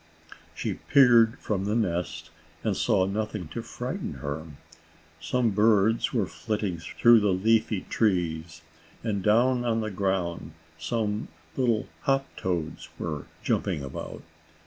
She peered from the nest and saw nothing to frighten her. Some birds were flitting through the leafy trees, and down on the ground some little hop toads were jumping about.